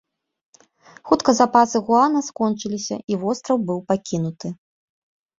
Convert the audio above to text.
Хутка запасы гуана скончыліся, і востраў быў пакінуты.